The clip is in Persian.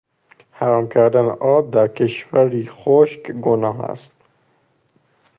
حرام کردن آب در کشوری خشک گناه است.